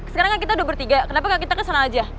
sekarang kan kita udah bertiga kenapa gak kita kesel aja